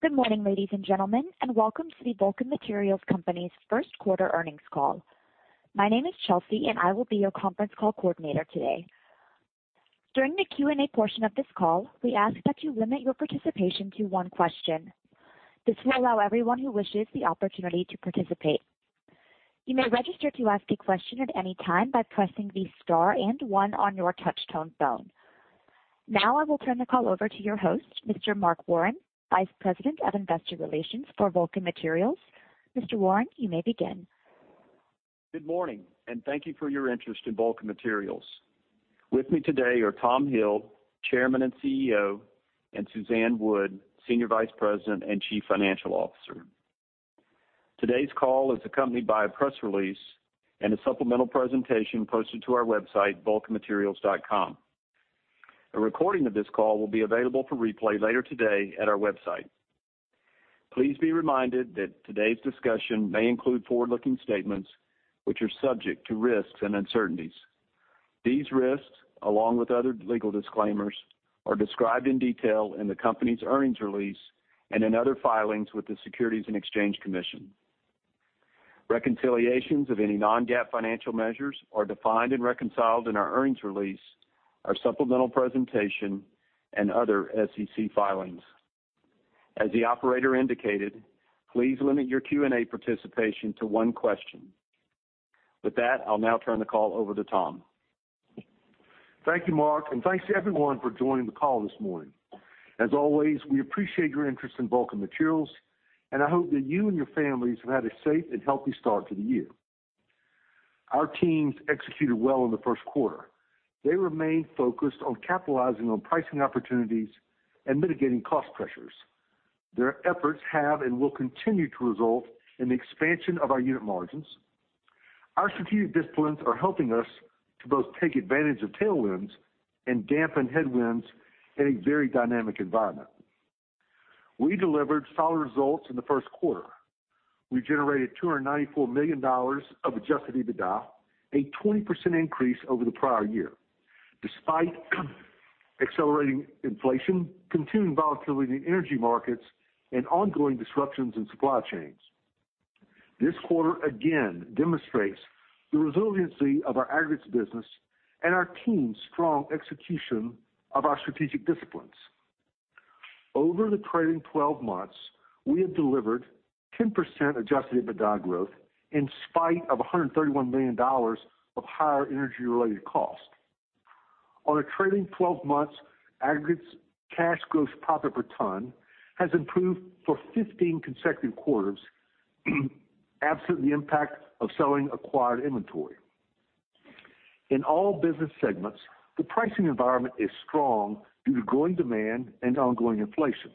Good morning, ladies and gentlemen, and welcome to the Vulcan Materials Company's Q1 earnings call. My name is Chelsea and I will be your Conference Call coordinator today. During the Q&A portion of this call, we ask that you limit your participation to one question. This will allow everyone who wishes the opportunity to participate. You may register to ask a question at any time by pressing the star and one on your touch-tone phone. Now I will turn the call over to your host, Mr. Mark Warren, Vice President of Investor Relations for Vulcan Materials. Mr. Warren, you may begin. Good morning, and thank you for your interest in Vulcan Materials. With me today are Tom Hill, Chairman and CEO, and Suzanne Wood, Senior Vice President and Chief Financial Officer. Today's call is accompanied by a press release and a supplemental presentation posted to our website, vulcanmaterials.com. A recording of this call will be available for replay later today at our website. Please be reminded that today's discussion may include forward-looking statements which are subject to risks and uncertainties. These risks, along with other legal disclaimers, are described in detail in the company's earnings release and in other filings with the Securities and Exchange Commission. Reconciliations of any non-GAAP financial measures are defined and reconciled in our earnings release, our supplemental presentation, and other SEC filings. As the operator indicated, please limit your Q&A participation to one question. With that, I'll now turn the call over to Tom. Thank you, Mark, and thanks to everyone for joining the call this morning. As always, we appreciate your interest in Vulcan Materials, and I hope that you and your families have had a safe and healthy start to the year. Our teams executed well in the Q1. They remain focused on capitalizing on pricing opportunities and mitigating cost pressures. Their efforts have and will continue to result in the expansion of our unit margins. Our strategic disciplines are helping us to both take advantage of tailwinds and dampen headwinds in a very dynamic environment. We delivered solid results in the Q1. We generated $294 million of adjusted EBITDA, a 20% increase over the prior year, despite accelerating inflation, continued volatility in energy markets, and ongoing disruptions in supply chains. This quarter again demonstrates the resiliency of our Aggregates business and our team's strong execution of our strategic disciplines. Over the trailing twelve months, we have delivered 10% adjusted EBITDA growth in spite of $131 million of higher energy-related costs. On a trailing twelve months, Aggregates cash gross profit per ton has improved for 15 consecutive quarters, absent the impact of selling acquired inventory. In all business segments, the pricing environment is strong due to growing demand and ongoing inflation.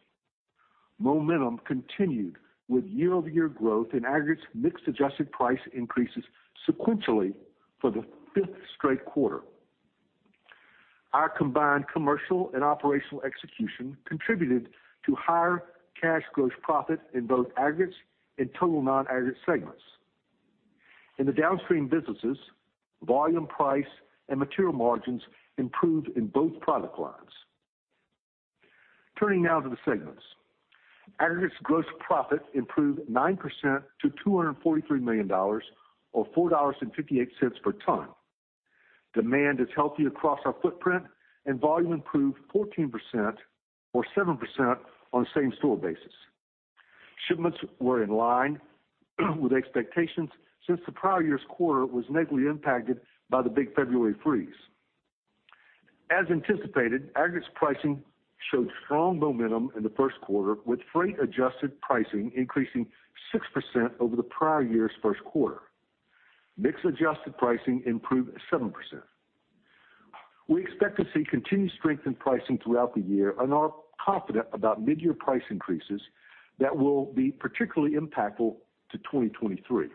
Momentum continued with year-over-year growth in Aggregates mix-adjusted price increases sequentially for the fifth straight quarter. Our combined commercial and operational execution contributed to higher cash gross profit in both Aggregates and total non-aggregate segments. In the downstream businesses, volume, price, and material margins improved in both product lines. Turning now to the segments. Aggregates gross profit improved 9% to $243 million or $4.58 per ton. Demand is healthy across our footprint and volume improved 14% or 7% on same store basis. Shipments were in line with expectations since the prior year's quarter was negatively impacted by the big February freeze. As anticipated, aggregates pricing showed strong momentum in the first quarter, with freight-adjusted pricing increasing 6% over the prior year's Q1. Mix adjusted pricing improved 7%. We expect to see continued strength in pricing throughout the year and are confident about mid-year price increases that will be particularly impactful to 2023.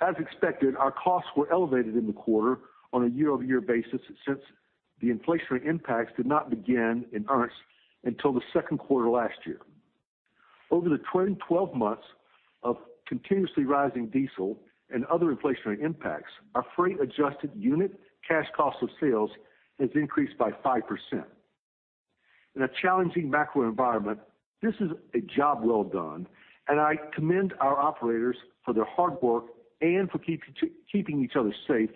As expected, our costs were elevated in the quarter on a year-over-year basis since the inflationary impacts did not begin in earnest until the Q2 last year. Over the trailing twelve months of continuously rising diesel and other inflationary impacts, our freight-adjusted unit cash cost of sales has increased by 5%. In a challenging macro environment, this is a job well done, and I commend our operators for their hard work and for keeping each other safe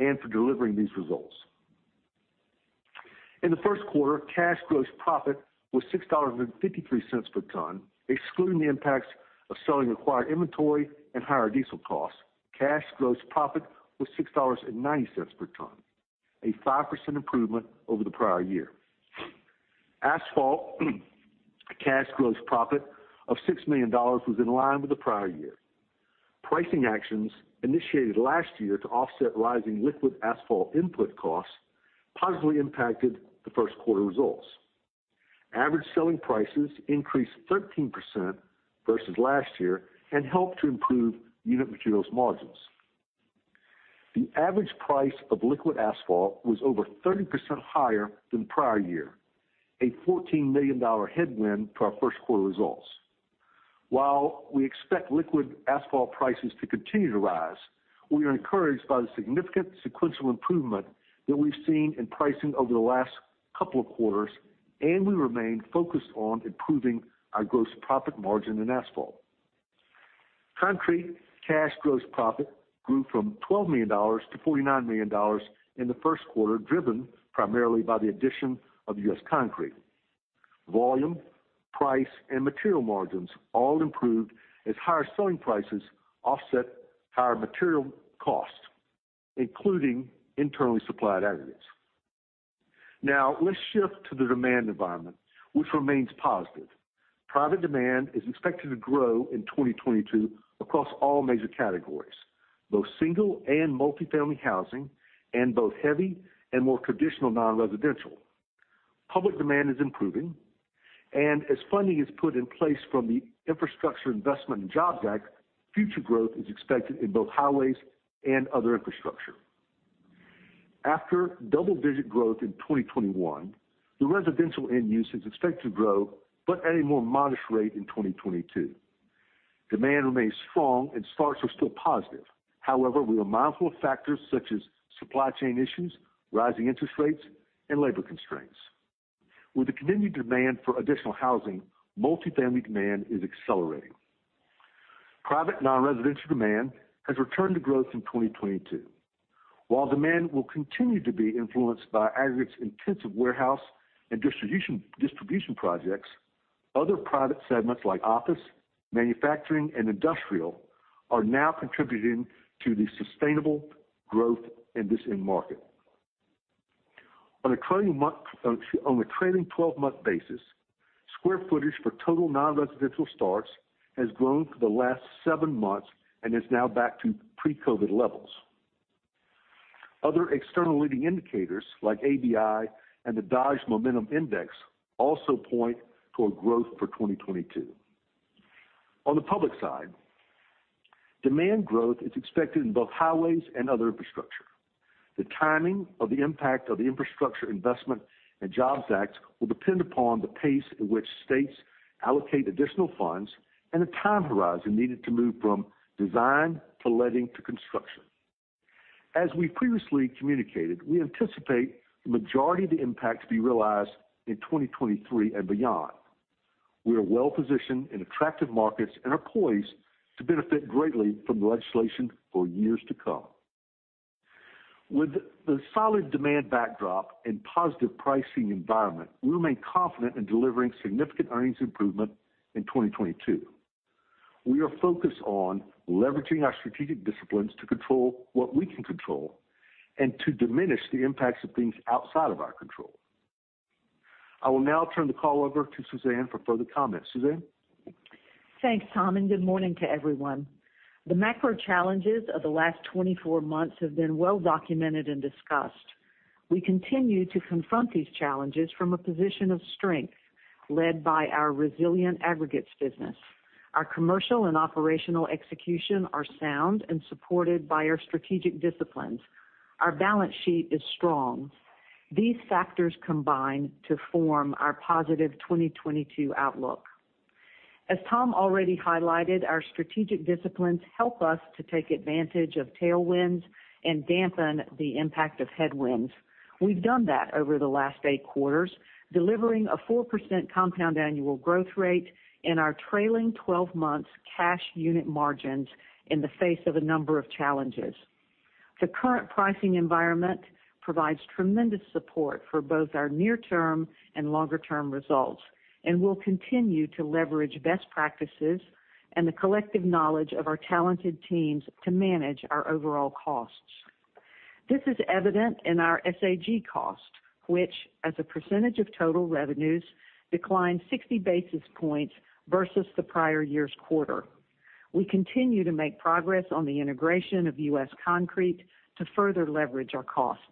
and for delivering these results. In the Q1, cash gross profit was $6.53 per ton. Excluding the impacts of selling acquired inventory and higher diesel costs, cash gross profit was $6.90 per ton, a 5% improvement over the prior year. Asphalt cash gross profit of $6 million was in line with the prior year. Pricing actions initiated last year to offset rising liquid asphalt input costs positively impacted the Q1 results. Average selling prices increased 13% versus last year and helped to improve unit materials margins. The average price of Liquid Asphalt was over 30% higher than prior year, a $14 million headwind to our Q1 results. While we expect Liquid Asphalt prices to continue to rise, we are encouraged by the significant sequential improvement that we've seen in pricing over the last couple of quarters, and we remain focused on improving our gross profit margin in asphalt. Concrete cash gross profit grew from $12 million to $49 million in the Q1, driven primarily by the addition of U.S. Concrete. Volume, price, and material margins all improved as higher selling prices offset higher material costs, including internally supplied aggregates. Now let's shift to the demand environment, which remains positive. Private demand is expected to grow in 2022 across all major categories, both single and multifamily housing, and both heavy and more traditional non-residential. Public demand is improving, and as funding is put in place from the Infrastructure Investment and Jobs Act, future growth is expected in both highways and other infrastructure. After double-digit growth in 2021, the residential end use is expected to grow, but at a more modest rate in 2022. Demand remains strong and starts are still positive. However, we are mindful of factors such as supply chain issues, rising interest rates, and labor constraints. With the continued demand for additional housing, multifamily demand is accelerating. Private non-residential demand has returned to growth in 2022. While demand will continue to be influenced by aggregates intensive warehouse and distribution projects, other private segments like office, manufacturing, and industrial are now contributing to the sustainable growth in this end market. On a trailing twelve-month basis, square footage for total non-residential starts has grown for the last seven months and is now back to pre-COVID levels. Other external leading indicators, like ABI and the Dodge Momentum Index, also point toward growth for 2022. On the public side, demand growth is expected in both highways and other infrastructure. The timing of the impact of the Infrastructure Investment and Jobs Act will depend upon the pace at which states allocate additional funds and the time horizon needed to move from design to letting to construction. As we previously communicated, we anticipate the majority of the impacts be realized in 2023 and beyond. We are well-positioned in attractive markets and are poised to benefit greatly from the legislation for years to come. With the solid demand backdrop and positive pricing environment, we remain confident in delivering significant earnings improvement in 2022. We are focused on leveraging our strategic disciplines to control what we can control and to diminish the impacts of things outside of our control. I will now turn the call over to Suzanne for further comments. Suzanne? Thanks, Tom, and good morning to everyone. The macro challenges of the last 24 months have been well-documented and discussed. We continue to confront these challenges from a position of strength led by our resilient aggregates business. Our commercial and operational execution are sound and supported by our strategic disciplines. Our balance sheet is strong. These factors combine to form our positive 2022 outlook. As Tom already highlighted, our strategic disciplines help us to take advantage of tailwinds and dampen the impact of headwinds. We've done that over the last 8 quarters, delivering a 4% compound annual growth rate in our trailing twelve months cash unit margins in the face of a number of challenges. The current pricing environment provides tremendous support for both our near-term and longer-term results, and we'll continue to leverage best practices and the collective knowledge of our talented teams to manage our overall costs. This is evident in our SAG cost, which, as a percentage of total revenues, declined 60 basis points versus the prior year's quarter. We continue to make progress on the integration of U.S. Concrete to further leverage our costs.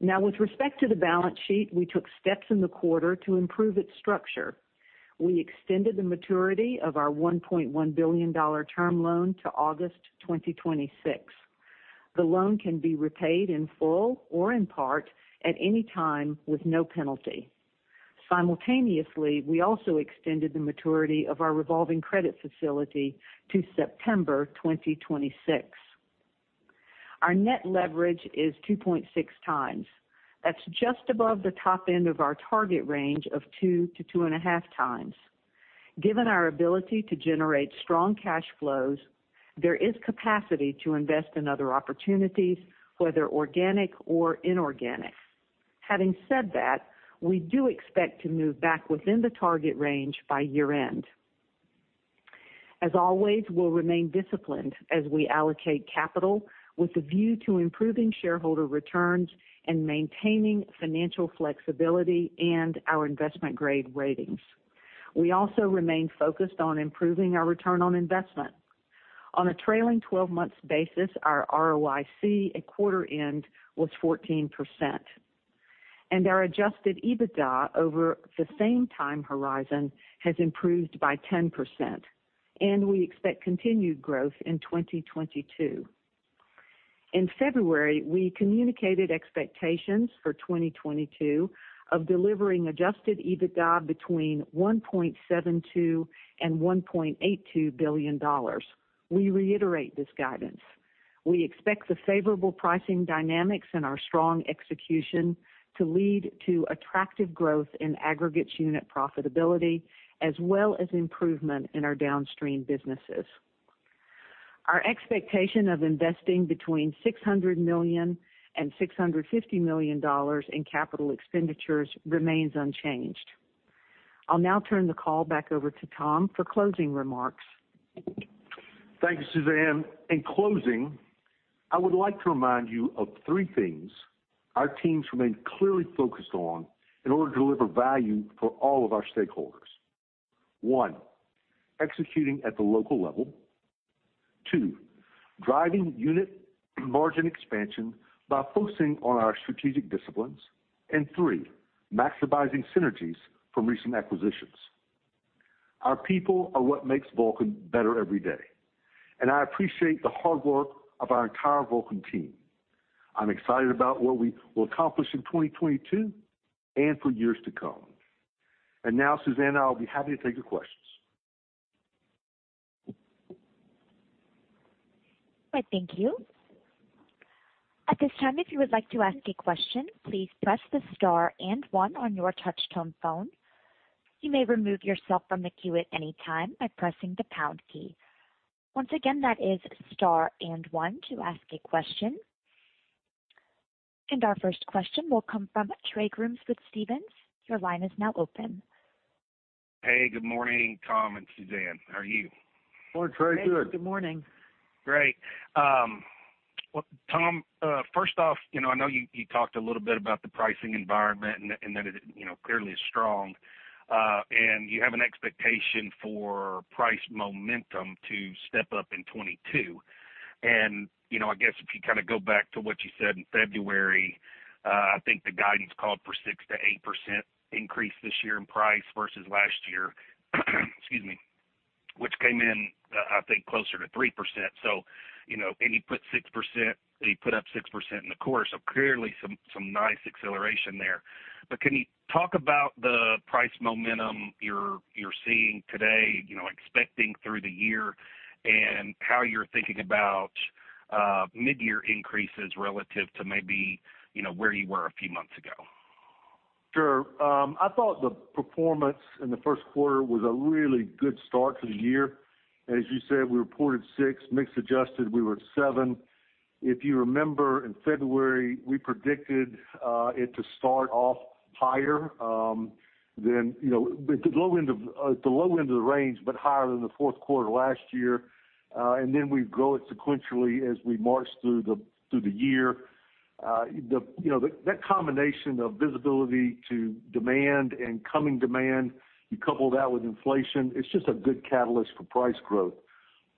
Now with respect to the balance sheet, we took steps in the quarter to improve its structure. We extended the maturity of our $1.1 billion term loan to August 2026. The loan can be repaid in full or in part at any time with no penalty. Simultaneously, we also extended the maturity of our revolving credit facility to September 2026. Our net leverage is 2.6 times. That's just above the top-end of our target range of 2-2.5 times. Given our ability to generate strong cash flows, there is capacity to invest in other opportunities, whether organic or inorganic. Having said that, we do expect to move back within the target range by year-end. As always, we'll remain disciplined as we allocate capital with a view to improving shareholder returns and maintaining financial flexibility and our investment-grade ratings. We also remain focused on improving our return on investment. On a trailing twelve months basis, our ROIC at quarter end was 14%, and our adjusted EBITDA over the same time horizon has improved by 10%, and we expect continued growth in 2022. In February, we communicated expectations for 2022 of delivering adjusted EBITDA between $1.72 billion and $1.82 billion. We reiterate this guidance. We expect the favorable pricing dynamics and our strong execution to lead to attractive growth in aggregates unit profitability as well as improvement in our downstream businesses. Our expectation of investing between $600 million and $650 million in capital expenditures remains unchanged. I'll now turn the call back over to Tom for closing remarks. Thank you, Suzanne. In closing, I would like to remind you of three things our teams remain clearly focused on in order to deliver value for all of our stakeholders. One, executing at the local level. Two, driving unit margin expansion by focusing on our strategic disciplines. Three, maximizing synergies from recent acquisitions. Our people are what makes Vulcan better every day, and I appreciate the hard work of our entire Vulcan team. I'm excited about what we will accomplish in 2022 and for years to come. Now, Suzanne and I will be happy to take your questions. All right, thank you. At this time, if you would like to ask a question, please press the star and one on your touchtone phone. You may remove yourself from the queue at any time by pressing the pound key. Once again, that is star and one to ask a question. Our first question will come from Trey Grooms with Stephens. Your line is now open. Hey, good morning, Tom and Suzanne. How are you? Morning, Trey. Good. Good morning. Great. Well, Tom, first off, you know, I know you talked a little bit about the pricing environment and that it, you know, clearly is strong. You have an expectation for price momentum to step up in 2022. You know, I guess if you kinda go back to what you said in February, I think the guidance called for 6%-8% increase this year in price versus last year. Excuse me. Which came in, I think closer to 3%. You know, you put up 6% in the quarter, so clearly some nice acceleration there. Can you talk about the price momentum you're seeing today, you know, expecting through the year? How you're thinking about mid-year increases relative to maybe, you know, where you were a few months ago? Sure. I thought the performance in the Q1 was a really good start to the year. As you said, we reported 6%, mix-adjusted, we were at 7%. If you remember in February, we predicted it to start off higher, you know, but the low-end of the range, but higher than the Q4 last year. Then we grow it sequentially as we march through the year. You know, that combination of visibility to demand and coming demand, you couple that with inflation, it's just a good catalyst for price growth.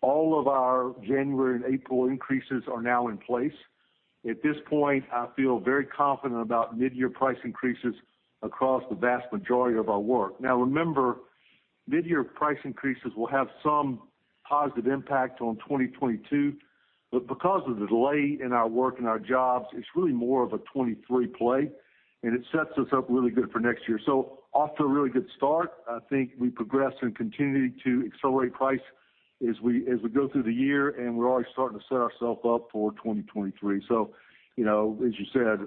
All of our January and April increases are now in place. At this point, I feel very confident about mid-year price increases across the vast majority of our work. Now remember, mid-year price increases will have some positive impact on 2022. Because of the delay in our work and our jobs, it's really more of a 2023 play, and it sets us up really good for next year. Off to a really good start. I think we progress and continue to accelerate price as we go through the year, and we're already starting to set ourself up for 2023. You know, as you said,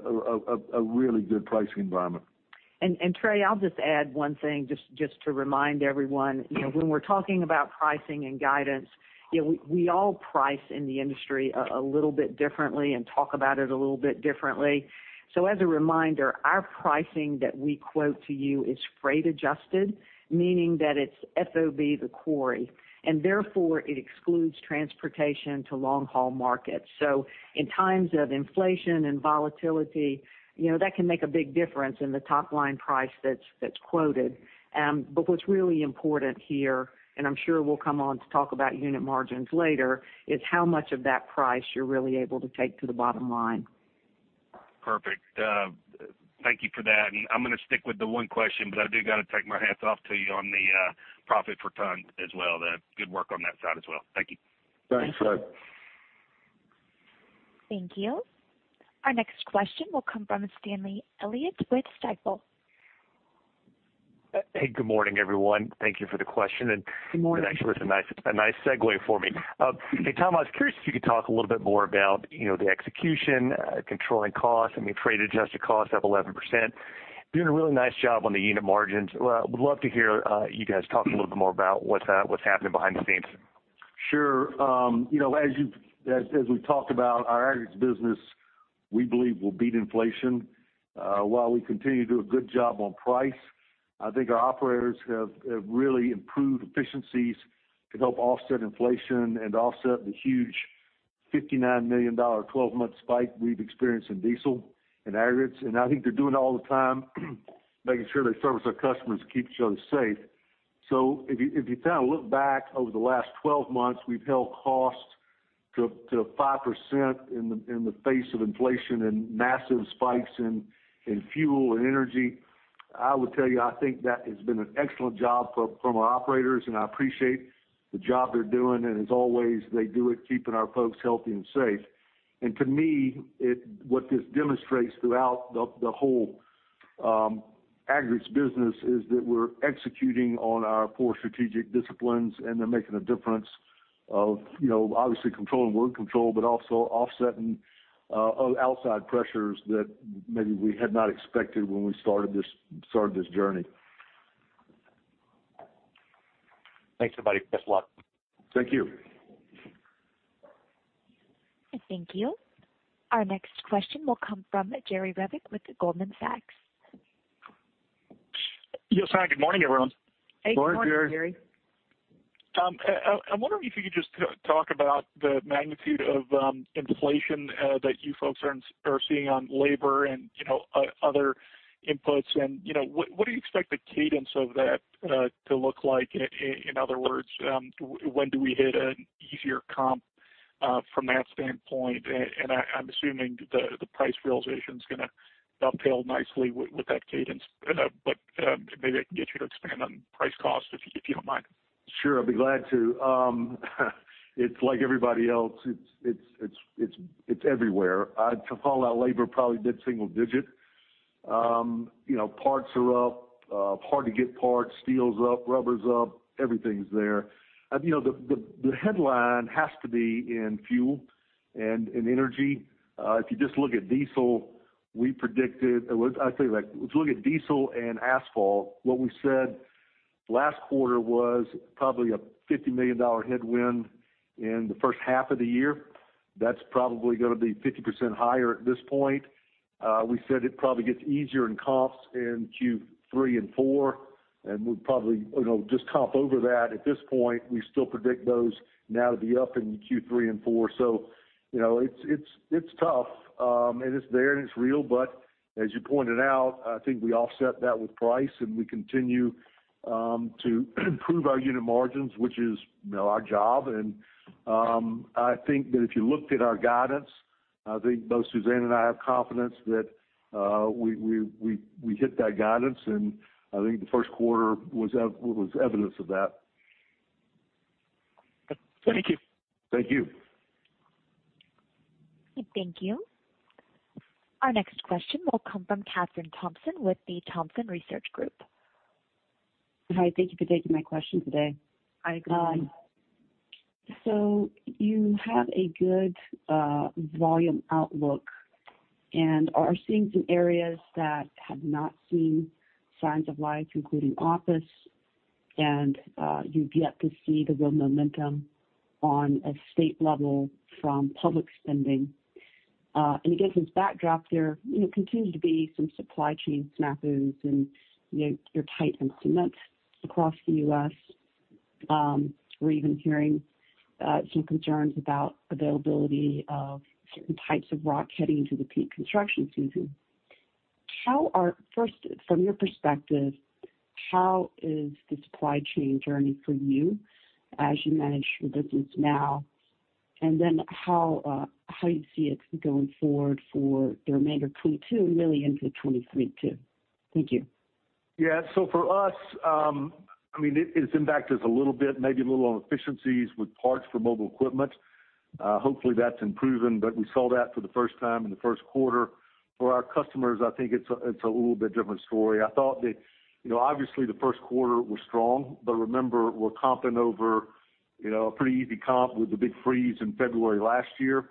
a really good pricing environment. Trey, I'll just add one thing just to remind everyone. You know, when we're talking about pricing and guidance, you know, we all price in the industry a little bit differently and talk about it a little bit differently. As a reminder, our pricing that we quote to you is freight-adjusted, meaning that it's FOB the quarry, and therefore it excludes transportation to long-haul markets. In times of inflation and volatility, you know, that can make a big difference in the top-line price that's quoted. But what's really important here, and I'm sure we'll come on to talk about unit margins later, is how much of that price you're really able to take to the bottom-line. Perfect. Thank you for that. I'm gonna stick with the one question, but I do gotta take my hats off to you on the profit per ton as well. The good work on that side as well. Thank you. Thanks, Trey. Thanks. Thank you. Our next question will come from Stanley Elliott with Stifel. Hey, good morning, everyone. Thank you for the question and Good morning. Actually it's a nice segue for me. Hey, Tom, I was curious if you could talk a little bit more about, you know, the execution, controlling costs. I mean, freight-adjusted costs up 11%. Doing a really nice job on the unit margins. Well, would love to hear you guys talk a little bit more about what's happening behind the scenes. Sure. You know, as we've talked about, our Aggregates business, we believe will beat inflation, while we continue to do a good job on price. I think our operators have really improved efficiencies to help offset inflation and to offset the huge $59 million 12-month spike we've experienced in diesel and aggregates. I think they're doing it all the time, making sure they service our customers and keep each other safe. If you kinda look back over the last 12 months, we've held costs to 5% in the face of inflation and massive spikes in fuel and energy. I would tell you, I think that has been an excellent job from our operators, and I appreciate the job they're doing, and as always, they do it keeping our folks healthy and safe. What this demonstrates throughout the whole aggregates business is that we're executing on our core strategic disciplines, and they're making a difference, you know, obviously controlling cost control, but also offsetting outside pressures that maybe we had not expected when we started this journey. Thanks, everybody. Best of luck. Thank you. Thank you. Our next question will come from Jerry Revick with Goldman Sachs. Yes, hi. Good morning, everyone. Good morning, Jerry. I'm wondering if you could just talk about the magnitude of inflation that you folks are seeing on labor and, you know, other inputs, and, you know, what do you expect the cadence of that to look like? In other words, when do we hit an easier comp from that standpoint? I'm assuming the price realization's gonna dovetail nicely with that cadence. Maybe I can get you to expand on price cost if you don't mind. Sure, I'd be glad to. It's like everybody else. It's everywhere. To call out labor, probably mid-single-digit. You know, parts are up, hard to get parts, steel's up, rubber's up, everything's there. You know, the headline has to be in fuel and in energy. If you just look at diesel and asphalt, what we said last quarter was probably a $50 million headwind in the first half of the year. That's probably gonna be 50% higher at this point. We said it probably gets easier in comps in Q3 and Q4, and we'd probably, you know, just comp over that. At this point, we still predict those now to be up in Q3 and Q4. You know, it's tough, and it's there, and it's real. But as you pointed out, I think we offset that with price, and we continue to improve our unit margins, which is, you know, our job. I think that if you looked at our guidance, I think both Suzanne and I have confidence that we hit that guidance, and I think the Q1 was evidence of that. Thank you. Thank you. Thank you. Our next question will come from Kathryn Thompson with the Thompson Research Group. Hi, thank you for taking my question today. Hi. Good morning. You have a good volume outlook and are seeing some areas that have not seen signs of life, including office, and you've yet to see the real momentum on a state-level from public spending. Against this backdrop, there, you know, continue to be some supply chain snags, and, you know, you're tight in cement across the U.S. We're even hearing some concerns about availability of certain types of rock heading into the peak construction season. First, from your perspective, how is the supply chain journey for you as you manage your business now? And then how do you see it going forward for the remainder of 2022 and really into 2023 too? Thank you. Yeah. For us, I mean, it's impacted us a little bit, maybe a little on efficiencies with parts for mobile equipment. Hopefully, that's improving, but we saw that for the first time in the Q1. For our customers, I think it's a little bit different story. I thought that, you know, obviously, the Q1 was strong. Remember, we're comping over, you know, a pretty easy comp with the big freeze in February last year.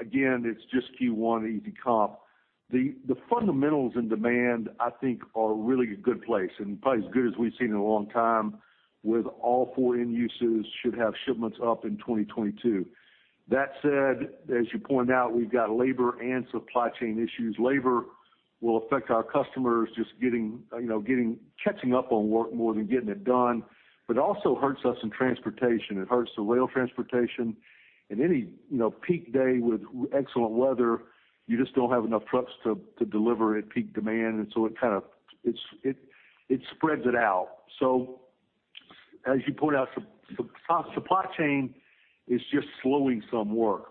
Again, it's just Q1 easy comp. The fundamentals in demand, I think, are really a good place and probably as good as we've seen in a long time, with all four end uses should have shipments up in 2022. That said, as you pointed out, we've got labor and supply chain issues. Labor will affect our customers just getting, you know, catching up on work more than getting it done. It also hurts us in transportation. It hurts the rail transportation. In any, you know, peak day with excellent weather, you just don't have enough trucks to deliver at peak demand. It spreads it out. As you pointed out, supply chain is just slowing some work.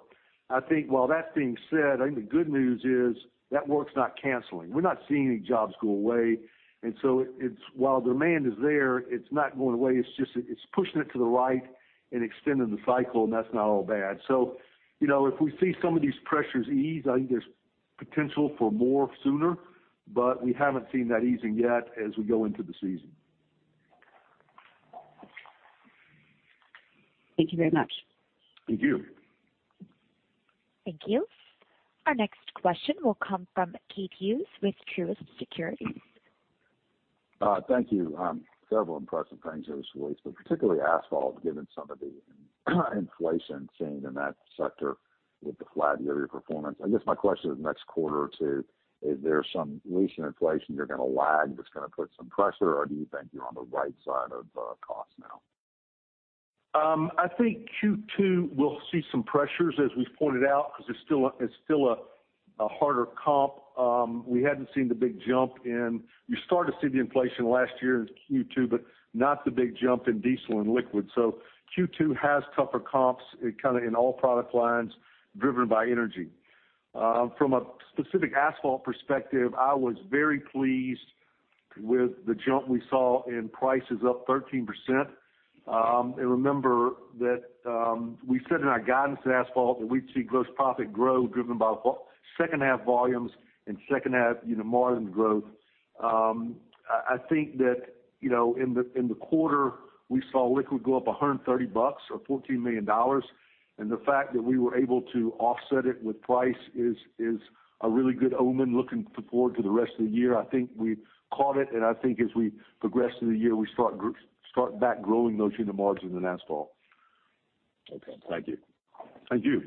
I think with that being said, I think the good news is that work's not canceling. We're not seeing any jobs go away. It's, while demand is there, it's not going away, it's just pushing it to the right and extending the cycle, and that's not all bad. You know, if we see some of these pressures ease, I think there's potential for more sooner, but we haven't seen that easing yet as we go into the season. Thank you very much. Thank you. Thank you. Our next question will come from Keith Hughes with Truist Securities. Thank you. Several impressive things there, but particularly asphalt, given some of the inflation seen in that sector with the flat year-over-year performance. I guess my question is next quarter or two, if there's some recent inflation you're gonna lag that's gonna put some pressure, or do you think you're on the right side of cost now? I think Q2 will see some pressures, as we've pointed out, because it's still a harder comp. We hadn't seen the big jump. You started to see the inflation last year in Q2, but not the big jump in diesel and liquid. Q2 has tougher comps kinda in all product lines driven by energy. From a specific asphalt perspective, I was very pleased with the jump we saw in prices up 13%. Remember that we said in our guidance in asphalt that we'd see gross profit grow driven by second half volumes and second half unit margin growth. I think that, you know, in the quarter, we saw liquid go up 130 bucks or $14 million. The fact that we were able to offset it with price is a really good omen looking forward to the rest of the year. I think we caught it, and I think as we progress through the year, we start back growing those unit margins in asphalt. Okay. Thank you. Thank you.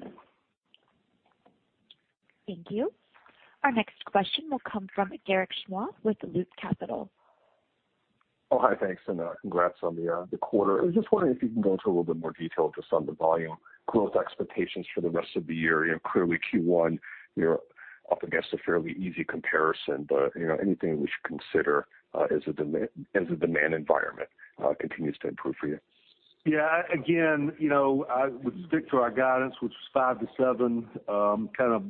Thank you. Our next question will come from Derek Schwach with Loop Capital Markets. Oh, hi. Thanks, and congrats on the quarter. I was just wondering if you can go into a little bit more detail just on the volume growth expectations for the rest of the year. You know, clearly, Q1, you're up against a fairly easy comparison, but you know, anything we should consider as the demand environment continues to improve for you? Yeah. Again, you know, I would stick to our guidance, which was 5%-7% kind of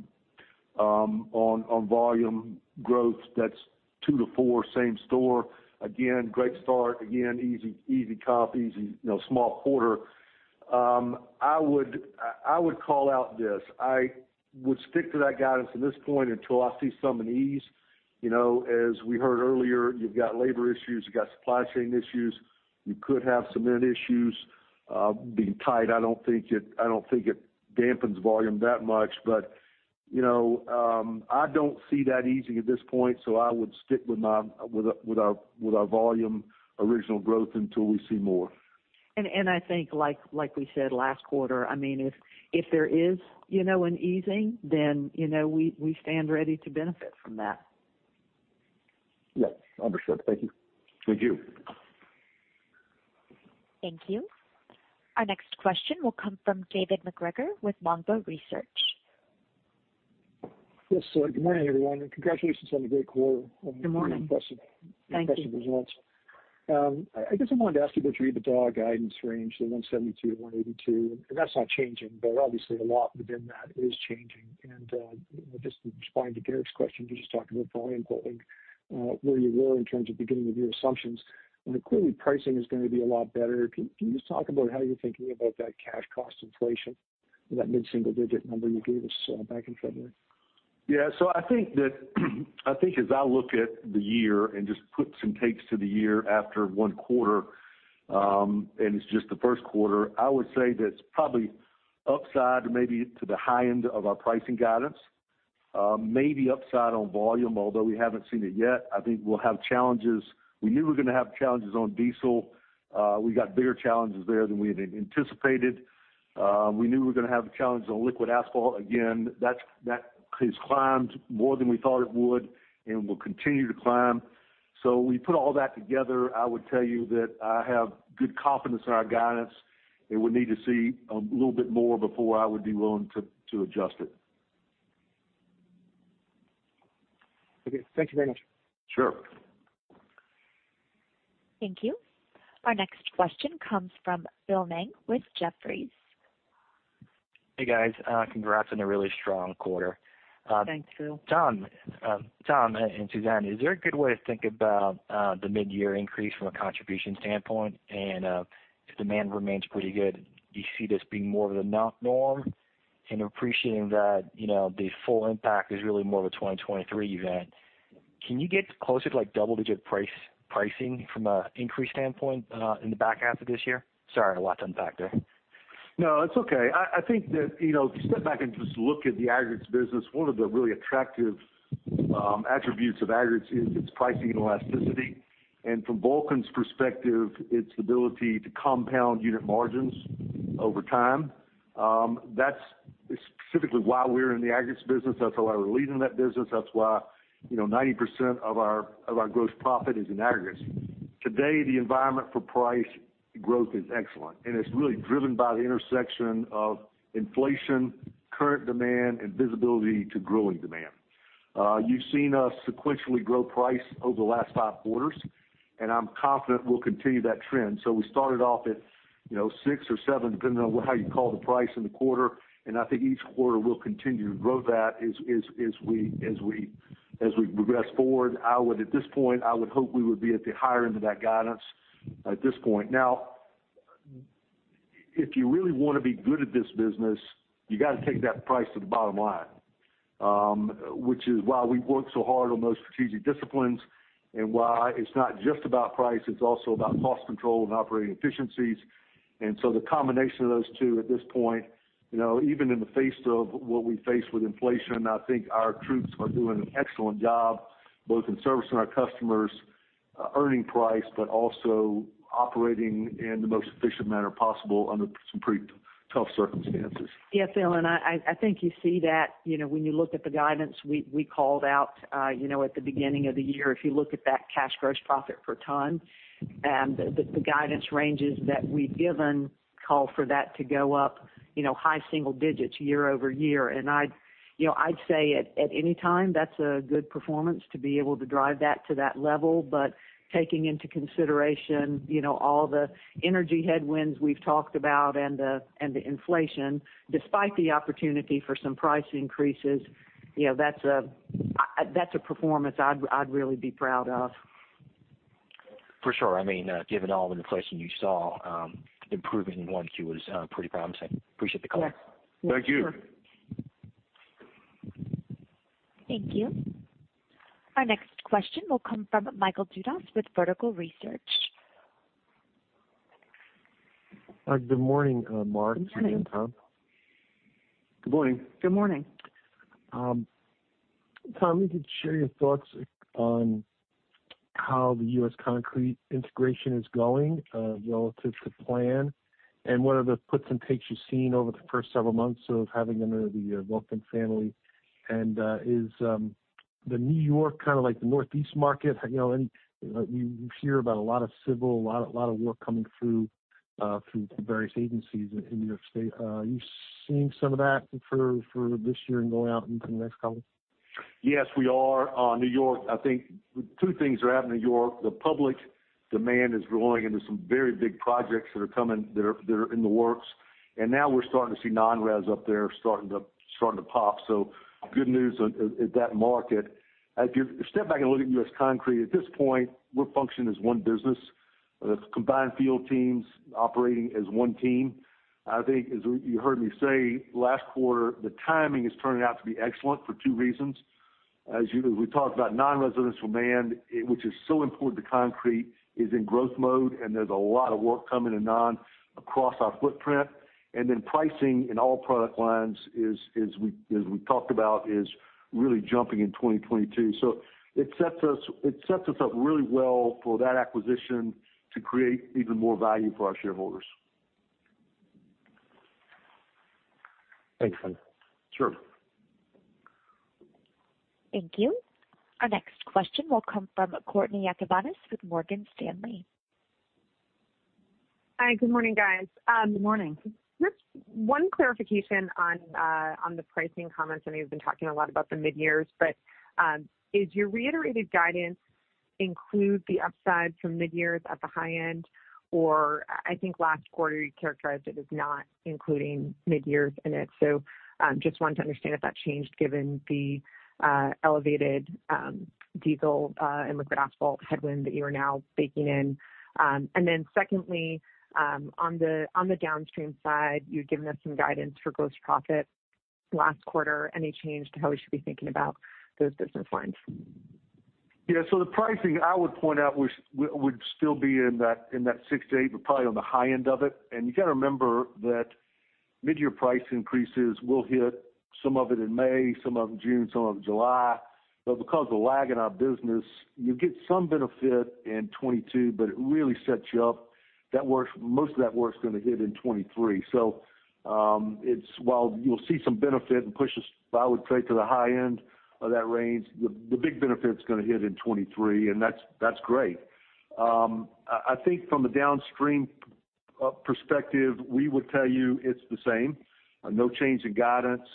on volume growth. That's 2%-4% same store. Again, great start. Again, easy comp, you know, small quarter. I would call out this. I would stick to that guidance at this point until I see some ease. You know, as we heard earlier, you've got labor issues, you've got supply chain issues, you could have cement issues being tight. I don't think it dampens volume that much. You know, I don't see that easing at this point, so I would stick with our volume original growth until we see more. I think, like we said last quarter, I mean, if there is, you know, an easing, then, you know, we stand ready to benefit from that. Yes. Understood. Thank you. Thank you. Thank you. Our next question will come from David MacGregor with Longbow Research. Yes. Good morning, everyone, and congratulations on a great quarter. Good morning. Impressive. Thank you. Impressive results. I guess I wanted to ask you about your EBITDA guidance range, the $172-$182. That's not changing, but obviously a lot within that is changing. Just responding to Derek's question, you just talked about volume building, where you were in terms of beginning of year assumptions. Clearly pricing is gonna be a lot better. Can you just talk about how you're thinking about that cash cost inflation or that mid-single-digit number you gave us, back in February? Yeah. I think as I look at the year and just puts and takes to the year after one quarter, and it's just the Q1, I would say that it's probably upside maybe to the high-end of our pricing guidance, maybe upside on volume, although we haven't seen it yet. I think we'll have challenges. We knew we were gonna have challenges on diesel. We got bigger challenges there than we had anticipated. We knew we were gonna have the challenges on Liquid Asphalt. Again, that has climbed more than we thought it would and will continue to climb. When you put all that together, I would tell you that I have good confidence in our guidance, and we need to see a little bit more before I would be willing to adjust it. Okay. Thank you very much. Sure. Thank you. Our next question comes from Philip Ng with Jefferies. Hey, guys. Congrats on a really strong quarter. Thanks, Phil. Tom and Suzanne, is there a good way to think about the mid-year increase from a contribution standpoint? If demand remains pretty good, do you see this being more of the new norm and appreciating that, you know, the full impact is really more of a 2023 event? Can you get closer to, like, double-digit pricing from an increase standpoint in the back half of this year? Sorry, a lot to unpack there. No, it's okay. I think that, you know, if you step back and just look at the aggregates business, one of the really attractive attributes of aggregates is its pricing and elasticity, and from Vulcan's perspective, its ability to compound unit margins over time. That's specifically why we're in the aggregates business. That's why we're leading in that business. That's why, you know, 90% of our gross profit is in aggregates. Today, the environment for price growth is excellent, and it's really driven by the intersection of inflation, current demand, and visibility to growing demand. You've seen us sequentially grow price over the last five quarters, and I'm confident we'll continue that trend. We started off at, you know, 6 or 7, depending on how you call the price in the quarter, and I think each quarter we'll continue to grow that as we progress forward. I would, at this point, I would hope we would be at the higher-end of that guidance at this point. Now, if you really wanna be good at this business, you gotta take that price to the bottom-line, which is why we've worked so hard on those strategic disciplines and why it's not just about price, it's also about cost control and operating efficiencies. The combination of those two at this point, you know, even in the face of what we face with inflation, I think our troops are doing an excellent job both in servicing our customers, earning price, but also operating in the most efficient manner possible under some pretty tough circumstances. Yes, Phil, I think you see that, you know, when you look at the guidance we called out, you know, at the beginning of the year. If you look at that cash gross profit per ton, the guidance ranges that we've given call for that to go up, you know, high single-digits year-over-year. I'd say at any time, that's a good performance to be able to drive that to that level. Taking into consideration, you know, all the energy headwinds we've talked about and the inflation, despite the opportunity for some price increases, you know, that's a performance I'd really be proud of. For sure. I mean, given all the inflation you saw, improvement in 1Q is pretty promising. Appreciate the color. Yeah. Sure. Thank you. Thank you. Our next question will come from Michael Dudas with Vertical Research. Good morning, Mark. Good morning.... Tom. Good morning. Good morning. Tom, if you could share your thoughts on how the U.S. Concrete integration is going, relative to plan, and what are the puts and takes you've seen over the first several months of having them in the Vulcan family. Is the New York kinda like the Northeast market? You know, you hear about a lot of civil, a lot of work coming through through the various agencies in New York State. Are you seeing some of that for this year and going out into the next couple? Yes, we are. New York, I think two things are happening in New York. The public demand is rolling into some very big projects that are coming, that are in the works. Now we're starting to see non-res up there starting to pop. So good news at that market. If you step back and look at U.S. Concrete, at this point, we're functioning as one business with combined field teams operating as one team. I think as you heard me say last quarter, the timing is turning out to be excellent for two reasons. As we talked about non-residential demand, which is so important to concrete, is in growth mode, and there's a lot of work coming across our footprint. Then pricing in all product lines is, as we talked about, really jumping in 2022. It sets us up really well for that acquisition to create even more value for our shareholders. Thanks. Sure. Thank you. Our next question will come from Courtney Yakabanis with Morgan Stanley. Hi. Good morning, guys. Good morning. Just one clarification on the pricing comments. I know you've been talking a lot about the mid-years, but is your reiterated guidance include the upside from mid-years at the high-end? Or I think last quarter you characterized it as not including mid-years in it. Just wanted to understand if that changed given the elevated diesel and Liquid Asphalt headwind that you are now baking in. Secondly, on the downstream side, you'd given us some guidance for gross profit last quarter. Any change to how we should be thinking about those business lines? Yeah. The pricing I would point out we would still be in that, in that 6-8, but probably on the high-end of it. You gotta remember that mid-year price increases will hit some of it in May, some of them June, some of them July. Because of the lag in our business, you get some benefit in 2022, but it really sets you up. Most of that work's gonna hit in 2023. While you'll see some benefit and push us, I would say, to the high-end of that range, the big benefit's gonna hit in 2023, and that's great. I think from a downstream perspective, we would tell you it's the same. No change in guidance.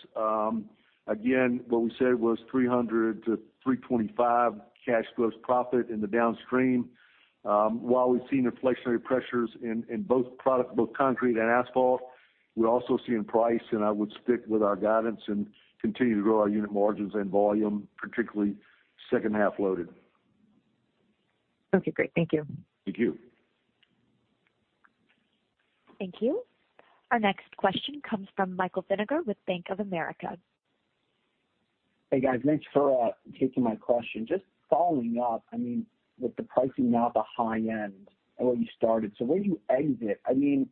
Again, what we said was $300-$325 cash gross profit in the downstream. While we've seen inflationary pressures in both products, both concrete and asphalt, we're also seeing pricing, and I would stick with our guidance and continue to grow our unit margins and volume, particularly second-half loaded. Okay, great. Thank you. Thank you. Thank you. Our next question comes from Michael Vinegar with Bank of America. Hey, guys. Thanks for taking my question. Just following-up, I mean, with the pricing now at the high-end and where you started. Where do you exit? I mean,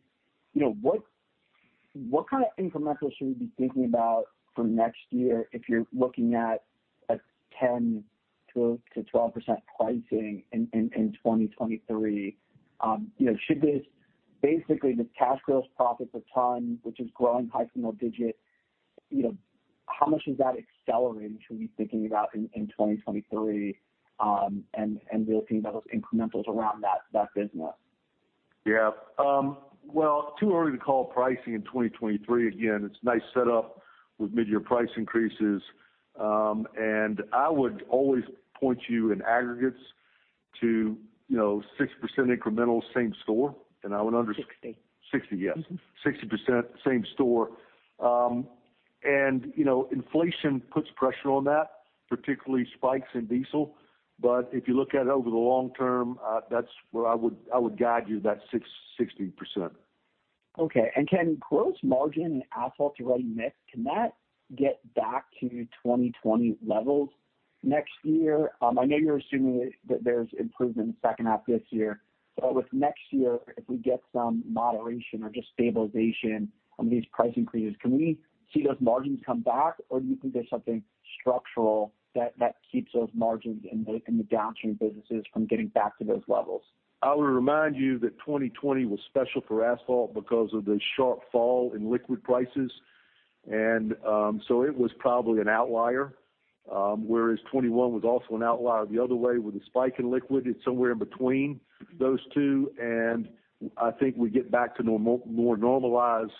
you know, what kind of incremental should we be thinking about for next year if you're looking at a 10%-12% pricing in 2023? Basically the cash gross profit's a ton, which is growing high single-digit. You know, how much is that accelerating should we be thinking about in 2023, and really thinking about those incrementals around that business? Yeah. Well, too early to call pricing in 2023. Again, it's nicely set up with mid-year price increases. I would always point you in aggregates to, you know, 6% incremental same store. I would under- Sixty. 60, yes. 60% same store. You know, inflation puts pressure on that, particularly spikes in diesel. If you look at it over the long-term, that's where I would guide you, that 60%. Okay. Can gross margin in asphalt and ready mix, can that get back to 2020 levels next year? I know you're assuming that there's improvement in the second half this year. With next year, if we get some moderation or just stabilization on these price increases, can we see those margins come back, or do you think there's something structural that keeps those margins in the downstream businesses from getting back to those levels? I would remind you that 2020 was special for asphalt because of the sharp fall in liquid prices. It was probably an outlier, whereas 2021 was also an outlier the other way with a spike in liquid. It's somewhere in between those two. I think we get back to more normalized.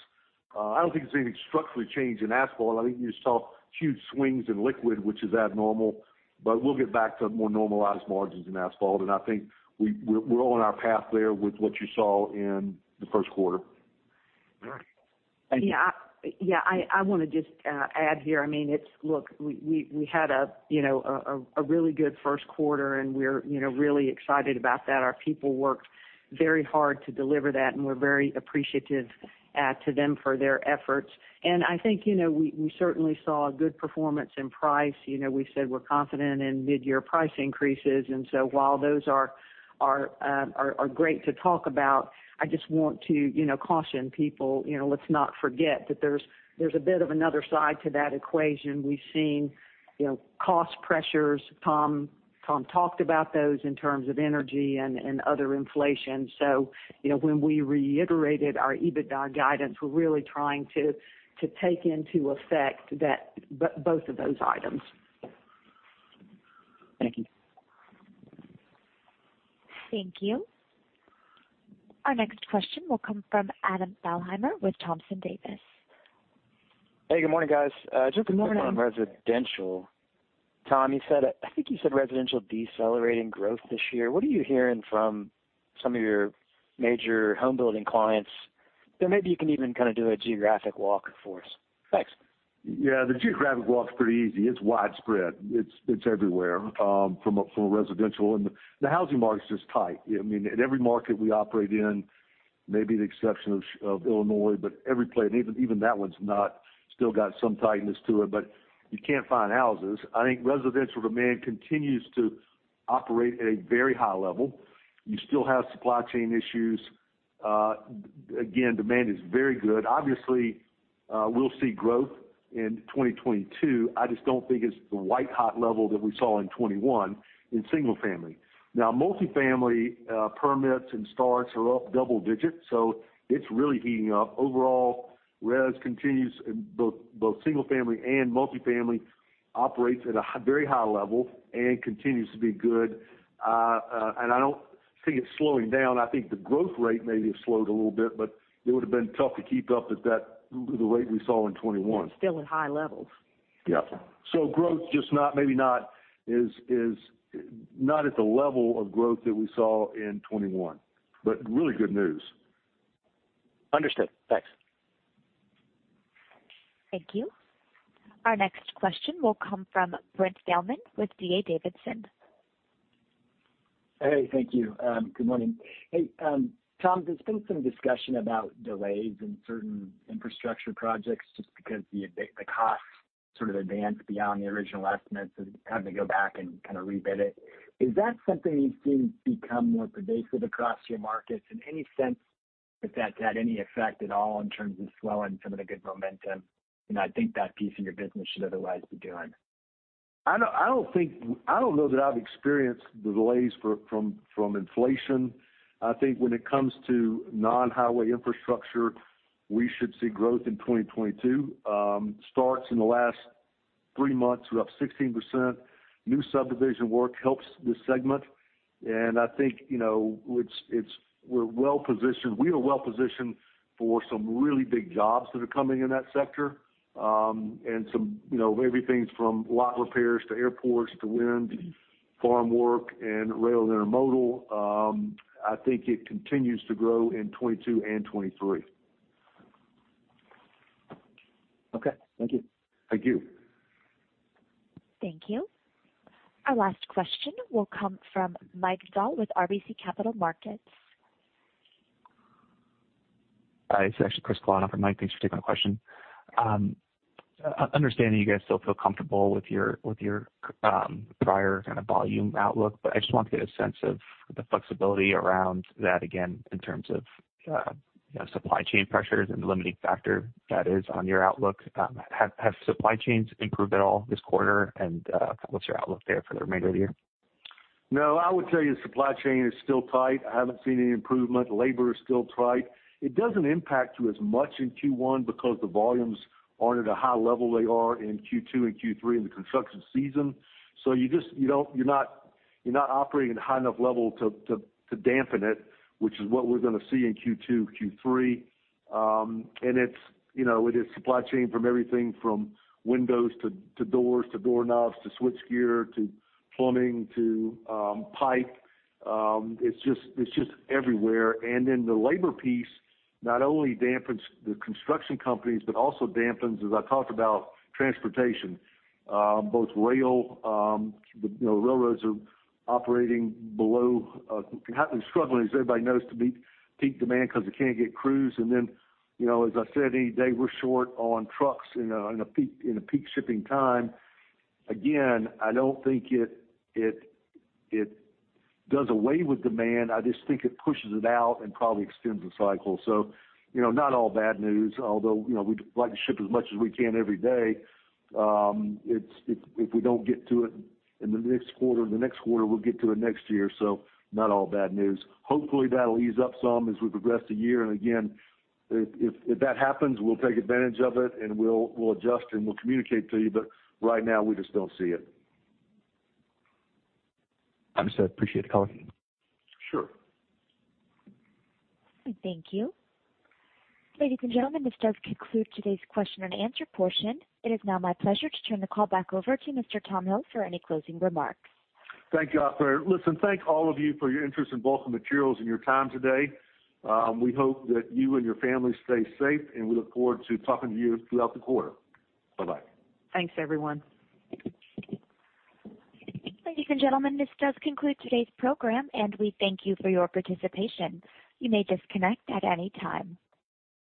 I don't think there's anything structurally changed in asphalt. I think you just saw huge swings in liquid, which is abnormal, but we'll get back to more normalized margins in asphalt. I think we're on our path there with what you saw in the Q1. Yeah. Yeah. I wanna just add here. I mean, look, we had a really good Q1 and we're really excited about that. Our people worked very hard to deliver that, and we're very appreciative to them for their efforts. I think we certainly saw a good performance in price. We said we're confident in mid-year price increases. While those are great to talk about, I just want to caution people. Let's not forget that there's a bit of another side to that equation. We've seen cost pressures. Tom talked about those in terms of energy and other inflation. You know, when we reiterated our EBITDA guidance, we're really trying to take into account that both of those items. Thank you. Thank you. Our next question will come from Adam Thalhimer with Thompson Davis & Co. Hey, good morning, guys. Good morning, Adam. Just a quick one on residential. Tom, I think you said residential decelerating growth this year. What are you hearing from some of your major home building clients? Maybe you can even kinda do a geographic walk for us. Thanks. Yeah. The geographic walk's pretty easy. It's widespread. It's everywhere from a residential and the housing market's just tight. I mean, in every market we operate in, maybe the exception of Illinois, but every place, and even that one's not still got some tightness to it, but you can't find houses. I think residential demand continues to operate at a very high-level. You still have supply chain issues. Again, demand is very good. Obviously, we'll see growth in 2022. I just don't think it's the white hot level that we saw in 2021 in single family. Now, multifamily permits and starts are up double-digits, so it's really heating up. Overall, res continues in both single family and multifamily, operates at a very high-level and continues to be good. I don't see it slowing down. I think the growth rate may have slowed a little bit, but it would've been tough to keep up at that, the rate we saw in 2021. It's still at high-levels. Yeah. Growth is not at the level of growth that we saw in 2021, but really good news. Understood. Thanks. Thank you. Our next question will come from Brent Thailman with D.A. Davidson. Hey. Thank you. Good morning. Hey, Tom, there's been some discussion about delays in certain infrastructure projects just because the costs sort of advanced beyond the original estimates and having to go back and kinda rebid it. Is that something you've seen become more pervasive across your markets in any sense if that's had any effect at all in terms of slowing some of the good momentum, you know, I think that piece of your business should otherwise be doing? I don't know that I've experienced the delays from inflation. I think when it comes to non-highway infrastructure, we should see growth in 2022. Starts in the last three months were up 16%. New subdivision work helps this segment. I think, you know, we're well-positioned. We are well-positioned for some really big jobs that are coming in that sector, and some, you know, everything from lot repairs to airports to wind farm work and rail intermodal. I think it continues to grow in 2022 and 2023. Okay. Thank you. Thank you. Thank you. Our last question will come from Mike Dahl with RBC Capital Markets. Hi. It's actually Chris Klont after Mike. Thanks for taking my question. Understanding you guys still feel comfortable with your prior kinda volume outlook, but I just wanted to get a sense of the flexibility around that again in terms of, you know, supply chain pressures and the limiting factor that is on your outlook. Have supply chains improved at all this quarter? And, what's your outlook there for the remainder of the year? No, I would tell you supply chain is still tight. I haven't seen any improvement. Labor is still tight. It doesn't impact you as much in Q1 because the volumes aren't at a high-level they are in Q2 and Q3 in the construction season. You just don't, you're not operating at a high enough level to dampen it, which is what we're gonna see in Q2, Q3. It's, you know, it is supply chain from everything from windows to doors, to doorknobs, to switchgear, to plumbing, to pipe. It's just everywhere. The labor piece not only dampens the construction companies, but also dampens, as I talked about, transportation. Both rail, you know, railroads are operating below, struggling, as everybody knows, to meet peak demand 'cause they can't get crews. You know, as I said any day, we're short on trucks in a peak shipping time. Again, I don't think it does away with demand. I just think it pushes it out and probably extends the cycle. You know, not all bad news, although, you know, we'd like to ship as much as we can every day. If we don't get to it in the next quarter, we'll get to it next year, so not all bad news. Hopefully, that'll ease up some as we progress through the year. Again, if that happens, we'll take advantage of it, and we'll adjust, and we'll communicate to you. Right now we just don't see it. Understood. Appreciate the call. Sure. Thank you. Ladies and gentlemen, this does conclude today's question and answer portion. It is now my pleasure to turn the call back over to Mr. Tom Hill for any closing remarks. Thank you, operator. Listen, thank all of you for your interest in Vulcan Materials and your time today. We hope that you and your families stay safe, and we look forward to talking to you throughout the quarter. Bye-bye. Thanks, everyone. Ladies and gentlemen, this does conclude today's program, and we thank you for your participation. You may disconnect at any time.